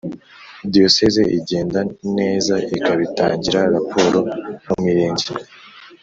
Diyoseze igenda neza ikabitangira raporo mu mirenge